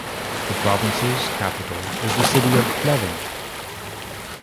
The province's capital is the city of Pleven.